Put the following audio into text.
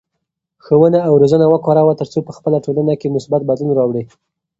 ښوونه او روزنه وکاروه ترڅو په خپله ټولنه کې مثبت بدلون راوړې.